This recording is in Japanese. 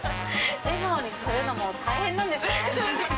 笑顔にするのも大変なんですね。